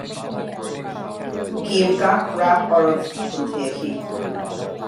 Guím gach rath oraibh don todhchaí